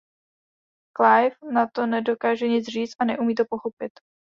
Clive na to nedokáže nic říct a neumí to pochopit.